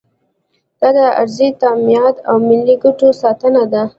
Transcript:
دا د ارضي تمامیت او ملي ګټو ساتنه ده.